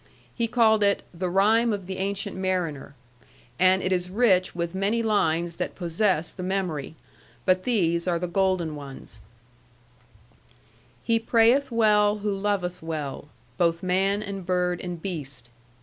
He called it The Rime of the Ancient Mariner. And it is rich with many lines that possess the memory; but these are the golden ones: "He prayeth well who loveth well Both man and bird and beast.